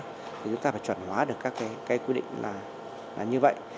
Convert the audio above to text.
thì chúng ta phải chuẩn hóa được các cái quy định là như vậy